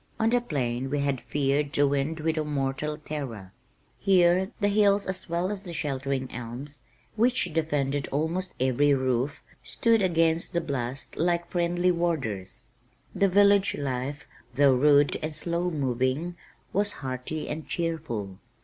On the plain we had feared the wind with a mortal terror, here the hills as well as the sheltering elms (which defended almost every roof) stood against the blast like friendly warders. The village life, though rude and slow moving, was hearty and cheerful.